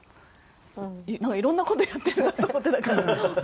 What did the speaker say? いろんな事やってるなと思ってたから。